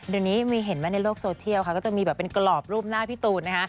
เดี๋ยวนี้มีเห็นไหมในโลกโซเทียลค่ะก็จะมีแบบเป็นกรอบรูปหน้าพี่ตูนนะคะ